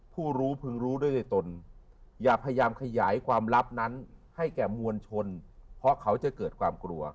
ผู้รู้พึงรู้ด้วยในตนอย่าพยายามขยายความลับนั้นให้แก่มวลชนเพราะเขาจะเกิดความกลัว